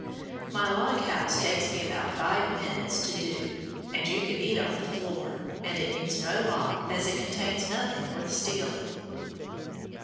My log house takes me about five minutes to "do," and you could eat off the floor, and it needs no lock, as it contains nothing worth stealing.